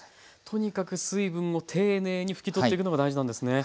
とにかく水分を丁寧に拭き取っていくのが大事なんですね。